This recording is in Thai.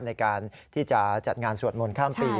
ในการที่จะจัดงานสวดมนต์ข้ามปี